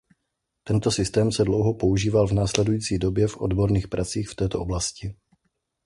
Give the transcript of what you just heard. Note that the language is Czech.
Tento systém se dlouho používal v následující době v odborných pracích v této oblasti.